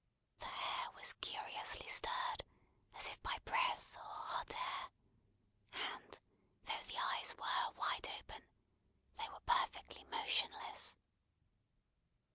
The hair was curiously stirred, as if by breath or hot air; and, though the eyes were wide open, they were perfectly motionless.